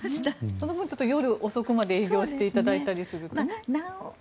その分、夜遅くまで営業していただいたりするとね。